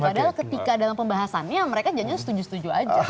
padahal ketika dalam pembahasannya mereka jangan setuju setuju aja